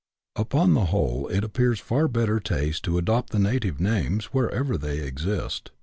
Upon the whole it appears far better taste to adopt the native names, wherever they exist.